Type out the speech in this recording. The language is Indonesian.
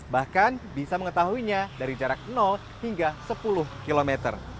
bahkan bisa mengetahuinya dari jarak hingga sepuluh km